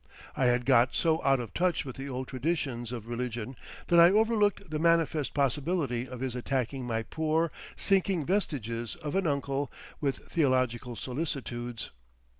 I had got so out of touch with the old traditions of religion that I overlooked the manifest possibility of his attacking my poor, sinking vestiges of an uncle with theological solicitudes.